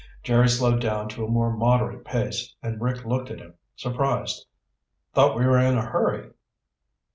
Jerry slowed down to a more moderate pace and Rick looked at him, surprised. "Thought we were in a hurry."